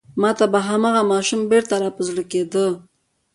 ما ته به هماغه ماشومه بېرته را په زړه کېده.